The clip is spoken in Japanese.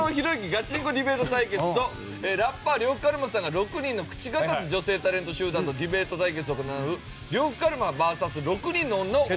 ガチンコディベート対決とラッパー呂布カルマさんが６人の口が立つ女性タレント集団とディベート対決を行う呂布カルマＶＳ６人の女をお送りいたします。